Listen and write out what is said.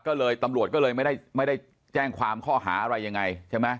ก็เลยตำรวจก็เลยไม่ได้แจ้งความข้อหาอะไรยังไงใช่ไหม